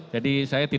jadi saya tidak berjuang